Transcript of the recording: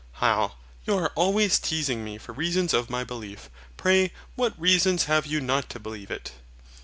HYL. You are always teasing me for reasons of my belief. Pray what reasons have you not to believe it?